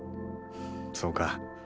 そうか。